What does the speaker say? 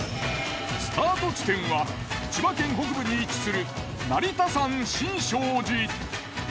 スタート地点は千葉県北部に位置する成田山新勝寺。